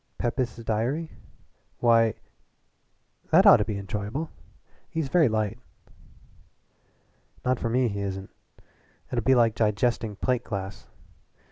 "'Pepys' Diary'? Why, that ought to be enjoyable. He's very light." "Not for me he isn't. It'll be like digesting plate glass.